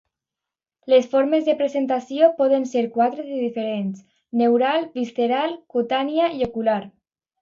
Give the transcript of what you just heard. Les formes de presentació poden ser quatre de diferents: neural, visceral, cutània i ocular.